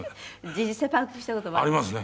実際パンクした事も？ありますね。